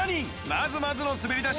まずまずの滑り出し